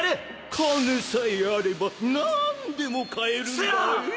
金さえあれば何でも買えるんぞえ